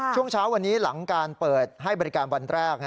ช่วงเช้าวันนี้หลังการเปิดให้บริการวันแรก